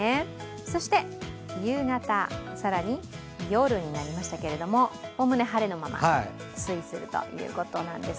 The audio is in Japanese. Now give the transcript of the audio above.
そして、夕方更に夜になりましたけど、おおむね晴れのまま推移するということです。